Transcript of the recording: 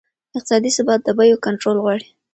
اقتصادي ثبات د بیو کنټرول غواړي.